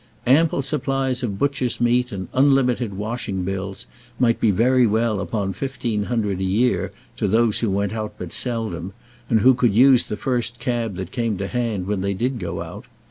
Ample supplies of butchers' meat and unlimited washing bills might be very well upon fifteen hundred a year to those who went out but seldom, and who could use the first cab that came to hand when they did go out.